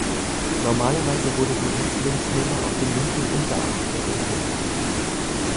Normalerweise wurde die Häftlingsnummer auf den linken Unterarm tätowiert.